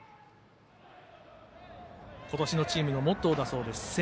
今年のチームのモットーだそうです。